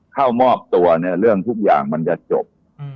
เข้ามอบตัวเนี่ยเรื่องทุกอย่างมันจะจบ